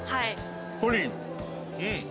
プリン。